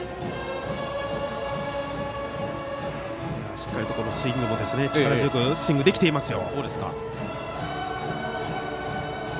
しっかりとスイングも力強くできていますよ。